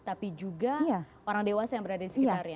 tapi juga orang dewasa yang berada di sekitarnya